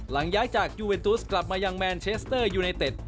ย้ายจากยูเวนตุสกลับมายังแมนเชสเตอร์ยูไนเต็ด